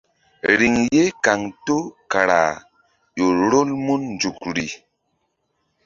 Riŋ ye kaŋto kara ƴo rol mun nzukri.